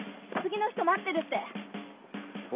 次の人待ってるって。